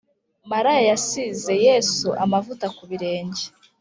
maraya yasize yesu amavuta kubirenge